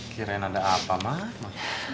kira kira ada apa mama